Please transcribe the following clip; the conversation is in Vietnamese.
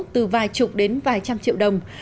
từ vài chục đến vài trăm triệu đồng